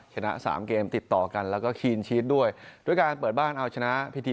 ชนะสามเกมติดต่อกันแล้วก็คีนชีสด้วยด้วยการเปิดบ้านเอาชนะพิธี